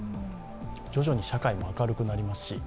徐々に社会も明るくなりますし。